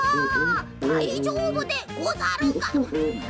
「だいじょうぶでござるか？」。